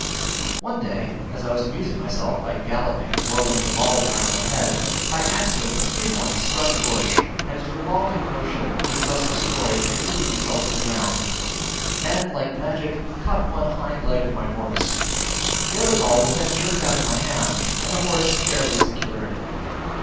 One day, as I was amusing myself by galloping and whirling the balls round my head, by accident the free one struck a bush, and its revolving motion being thus destroyed, it immediately fell to the ground, and, like magic, caught one hind leg of my horse; the other ball was then jerked out of my hand, and the horse fairly secured.